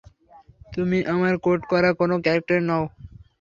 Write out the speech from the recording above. তুমি আমার কোড করা কোনো ক্যারেক্টার নও!